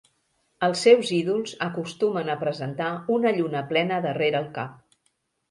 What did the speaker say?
Els seus ídols acostumen a presentar una lluna plena darrere el cap.